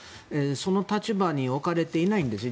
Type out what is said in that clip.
その立場に置かれていないんです